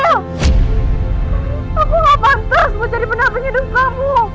aku gak pantas mau jadi pendampingnya di depanmu